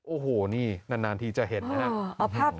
โอ้โหนี่นานทีจะเห็นนะครับ